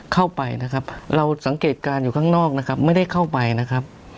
เข้าไปนะครับเราสังเกตการณ์อยู่ข้างนอกนะครับไม่ได้เข้าไปนะครับ